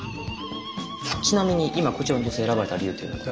ちなみに今こちらの女性選ばれた理由というのは？